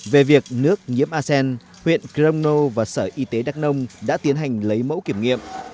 về việc nước nhiếm a sen huyện cromno và sở y tế đắc nông đã tiến hành lấy mẫu kiểm nghiệm